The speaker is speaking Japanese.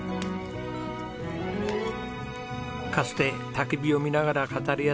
かつてたき火を見ながら語り合った夢。